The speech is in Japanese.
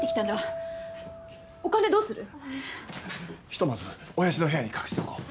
ひとまず親父の部屋に隠しておこう。